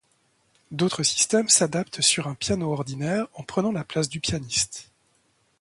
D'autres systèmes s'adaptent sur un piano ordinaire en prenant la place du pianiste.